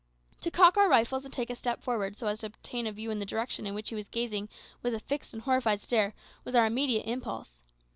To cock our rifles, and take a step forward so as to obtain a view in the direction in which he was gazing with a fixed and horrified stare, was our immediate impulse.